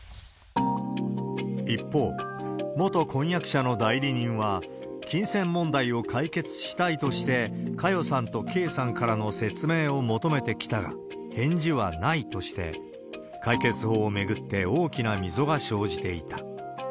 一方、元婚約者の代理人は、金銭問題を解決したいとして、佳代さんと圭さんからの説明を求めてきたが、返事はないとして、解決法を巡って大きな溝が生じていた。